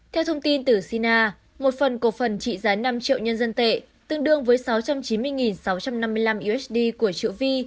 theo thông tin từ sina một phần cổ phần trị giá năm triệu nhân dân tệ tương đương với sáu trăm chín mươi sáu trăm năm mươi năm usd của triệu vi